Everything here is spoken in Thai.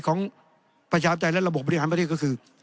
ของประชาบใจและระบบบริหารประเทศก็คือ